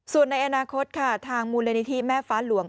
ส่วนในอนาคตค่ะทางมูลนิธิแม่ฟ้าหลวง